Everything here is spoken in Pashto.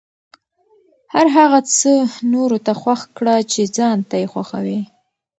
هر هغه څه نورو ته خوښ کړه چې ځان ته یې خوښوې.